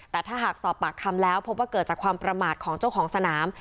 แต่ถ้าหากสอบปากคำแล้วพบว่าเกิดจากความประมาทของเจ้าของสนาม